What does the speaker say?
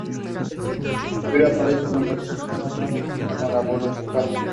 Durin aparece en numerosos poemas nórdicos como el Völuspá.